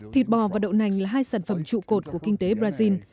thịt bò và đậu nành là hai sản phẩm trụ cột của kinh tế brazil